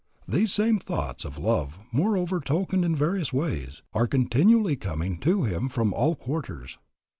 These same thoughts of love, moreover, tokened in various ways, are continually coming to him from all quarters.